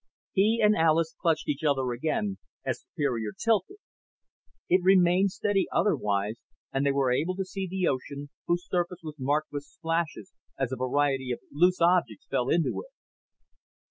He and Alis clutched each other again as Superior tilted. It remained steady otherwise and they were able to see the ocean, whose surface was marked with splashes as a variety of loose objects fell into it.